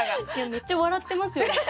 めっちゃ笑ってますよね？